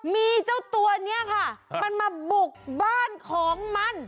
มีเจ้าตัวนี้ค่ะมันมาบุกบ้านของมัน